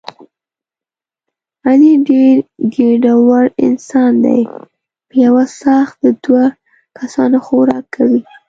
علي ډېر ګېډور انسان دی په یوه څاښت د دوه کسانو خوراک کوي.